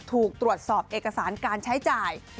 ถูกตรวจสอบเอกสารการใช้จ่าย